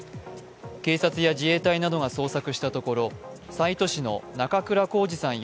警察や自衛隊などが捜索したところ西都市の中倉浩二さん